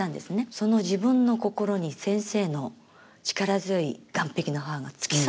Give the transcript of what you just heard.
その自分の心に先生の力強い「岸壁の母」が突き刺さったんです。